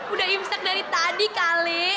udah imsak dari tadi kali